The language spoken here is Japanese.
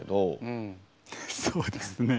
うんそうですね